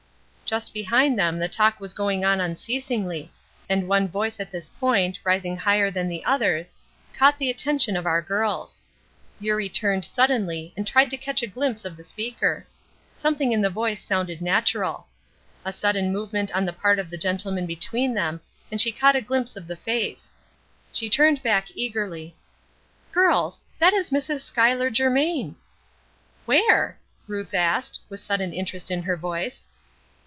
Just behind them the talk was going on unceasingly, and one voice, at this point, rising higher than the others, caught the attention of our girls. Eurie turned suddenly and tried to catch a glimpse of the speaker. Something in the voice sounded natural. A sudden movement on the part of the gentleman between them and she caught a glimpse of the face. She turned back eagerly. "Girls, that is Mrs. Schuyler Germain!" "Where?" Ruth asked, with sudden interest in her voice.